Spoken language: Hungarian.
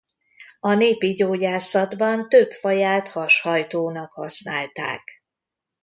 A népi gyógyászatban több faját hashajtónak használták.